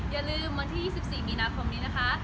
อย่าลืมวันที่สิบสี่มีนาพรมนี้นะคะ